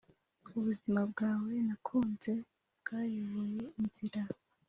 ubuzima bwawe nakunze bwayoboye inzira,